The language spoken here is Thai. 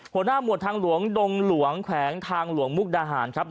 หัวหน้าหมวดทางหลวงดงหลวงแข็งทางหลวงมุกระห่านนะครับ